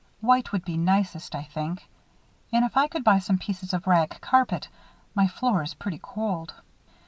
White would be nicest, I think. And if I could buy some pieces of rag carpet my floor is pretty cold."